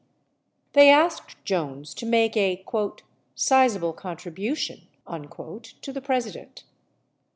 They asked Jones to make a "sizable contribution" to the President.